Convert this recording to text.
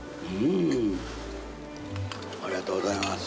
ありがとうございます。